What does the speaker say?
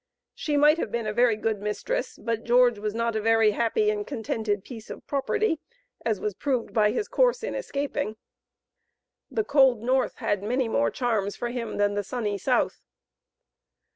She might have been a very good mistress, but George was not a very happy and contented piece of property, as was proved by his course in escaping. The cold North had many more charms for him than the sunny South.